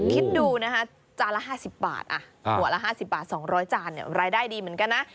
คิดดูนะคะจานละ๕๐บาทหัวละ๕๐บาท๒๐๐จานรายได้ดีเหมือนกันนะ